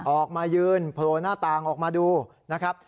ออกมายืนโผล่หน้าต่างออกมาดูนะครับ